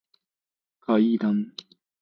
階段